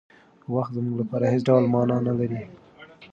وخت زموږ لپاره هېڅ ډول مانا نهلري.